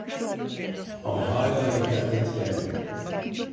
Ama hala İnternet gelmedi